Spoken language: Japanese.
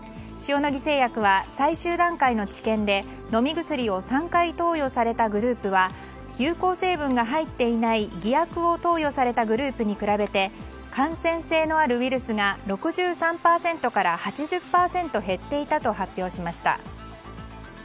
塩野義製薬は最終段階の治験で飲み薬を３回投与されたグループは有効成分が入っていない偽薬を投与されたグループに比べて感染性のあるウイルスが６３％から８０％減っていたと発表しました。